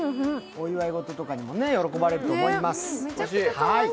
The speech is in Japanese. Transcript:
お祝い事とかにも喜ばれると思います。